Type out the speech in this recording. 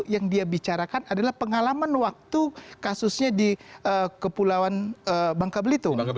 yang dia bicarakan adalah pengalaman waktu kasusnya di kepulauan bangka belitung